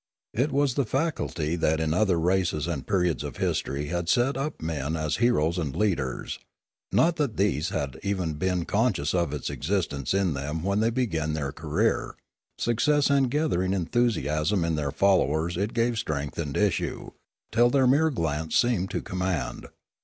It was the faculty that in other races and periods of history had set up men as heroes and leaders; not that these had even been conscious of its existence in them when they began their career; success and gathering enthusiasm in their followers gave it strength and issue, till their mere glance seemed to command.